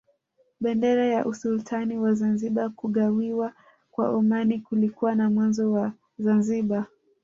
Bendera ya Usultani wa Zanzibar Kugawiwa kwa Omani kulikuwa mwanzo wa Zanzibar